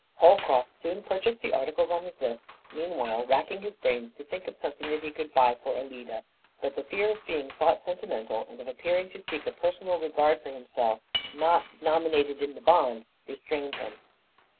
Holcroft soon purchased the articles on his list, meanwhile racking his brains to think of something that he could buy for Alida, but the fear of being thought sentimental and of appearing to seek a personal regard for himself, not "nominated in the bond," restrained him.